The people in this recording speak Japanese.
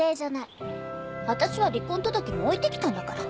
私は離婚届も置いてきたんだから。